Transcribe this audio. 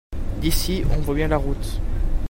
D'ici on voit bien la route.